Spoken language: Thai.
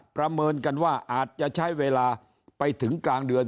ประเมินกันว่าอาจจะใช้เวลาไปถึงกลางเดือน